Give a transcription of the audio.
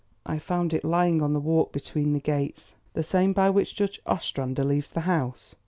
"I found it lying on the walk between the gates." "The same by which Judge Ostrander leaves the house?"